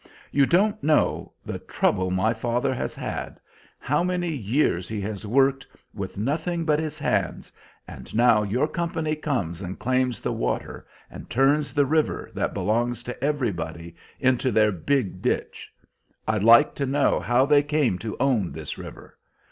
"You don't know the trouble my father has had; how many years he has worked, with nothing but his hands; and now your company comes and claims the water, and turns the river, that belongs to everybody, into their big ditch. I'd like to know how they came to own this river!